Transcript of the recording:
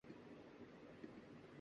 وہ مونک ہے